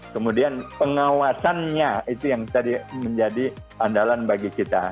kemudian pengawasannya itu yang tadi menjadi andalan bagi kita